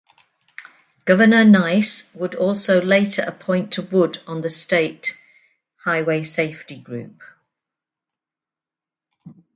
Governor Nice would also later appoint to Wood on the State Highway Safety Group.